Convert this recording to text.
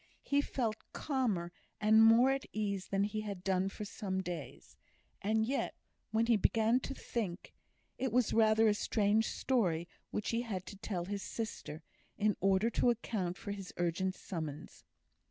He felt calmer and more at ease than he had done for some days; and yet, when he began to think, it was rather a strange story which he had to tell his sister, in order to account for his urgent summons.